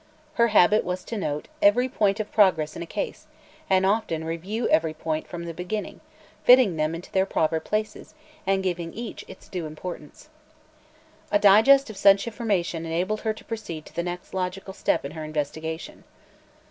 Her habit was to note every point of progress in a case and often review every point from the beginning, fitting them into their proper places and giving each its due importance. A digest of such information enabled her to proceed to the next logical step in her investigation.